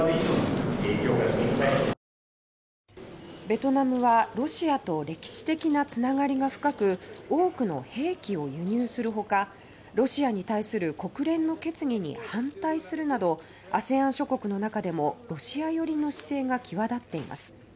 ベトナムは、ロシアと歴史的なつながりが深く多くの兵器を輸入するほかロシアに対する国連の決議に反対するなどＡＳＥＡＮ諸国の中でもロシア寄りの姿勢が際立っています。